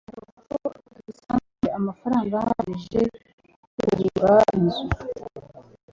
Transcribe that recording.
birashoboka ko dusanzwe dufite amafaranga ahagije yo kugura inzu